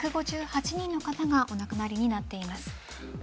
１５８人の方がお亡くなりになっています。